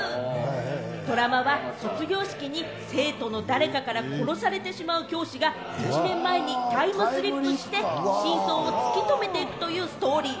ドラマは卒業式に生徒の誰かから殺されてしまう教師が１年前にタイムスリップして真相を突き止めていくというストーリー。